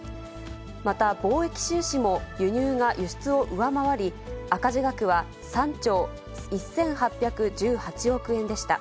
また貿易収支も輸入が輸出を上回り、赤字額は３兆１８１８億円でした。